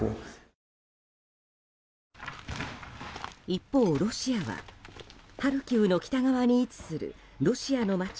一方、ロシアはハルキウの北側に位置するロシアの街